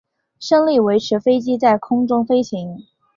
升力维持飞机在空中飞行。